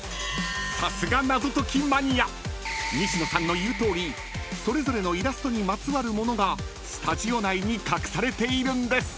［西野さんの言うとおりそれぞれのイラストにまつわる物がスタジオ内に隠されているんです］